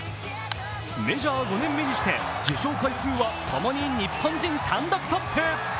メジャー５年目にして受賞回数はともに日本人単独トップ。